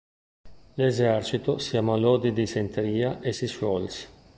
L'esercito si ammalò di dissenteria e si sciolse.